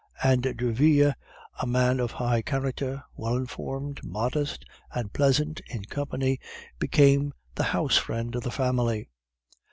And Derville, a man of high character, well informed, modest, and pleasant in company, became the house friend of the family.